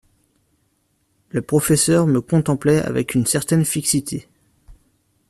Le professeur me contemplait avec une certaine fixité.